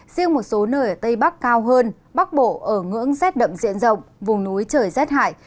riêng một số nơi ở tây bắc cao hơn bắc bộ ở ngưỡng rét đậm diện rộng vùng núi trời rét hại